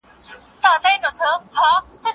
که وخت وي، بوټونه پاکوم!